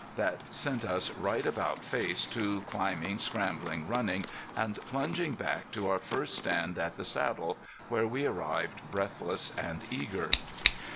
That sent us right about face, to climbing, scrambling, running and plunging back to our first stand at the saddle, where we arrived breathless and eager.